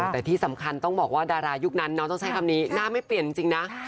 แต่ที่สำคัญต้องบอกว่าดารายุคนั้นน้องต้องใช้คำนี้หน้าไม่เปลี่ยนจริงนะ